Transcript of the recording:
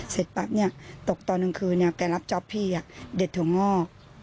เสร็จปั๊บตกตอนกลางคืนแกรับจ๊อปพี่เด็ดถั่วงอก